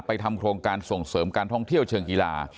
ทำโครงการส่งเสริมการท่องเที่ยวเชิงกีฬา